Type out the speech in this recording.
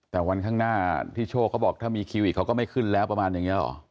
แต่วันข้างหน้าพี่โชคเขาบอกถ้ามีคิวอีกเขาก็ไม่ขึ้นแล้วประมาณอย่างนี้หรอ